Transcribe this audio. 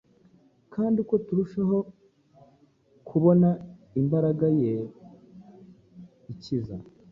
kandi uko turushaho kubona imbaraga Ye ikiza,